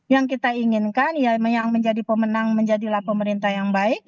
yang kita inginkan yang menjadi pemenang menjadilah pemerintah yang baik